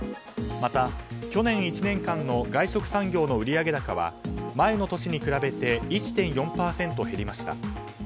また去年１年間の外食産業の売上高は前の年に比べて１．４％減りました。